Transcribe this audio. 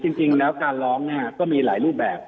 จริงแล้วการร้องก็มีหลายรูปแบบ